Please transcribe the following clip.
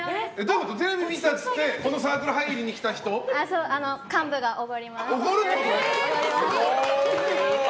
テレビ見たって言ってこのサークル入りに来た人？幹部がおごります。